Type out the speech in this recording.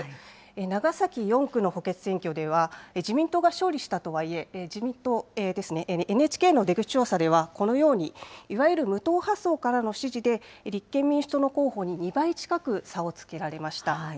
長崎４区の補欠選挙では、自民党が勝利したとはいえ、自民党ですね、ＮＨＫの出口調査では、このように、いわゆる無党派層からの支持で、立憲民主党の候補に２倍近く差をつけられました。